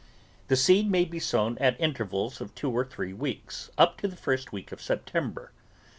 The seed may be so"\vn at intervals of two or three weeks up to the first of September.